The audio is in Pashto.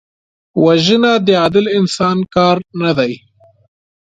وژنه د عادل انسان کار نه دی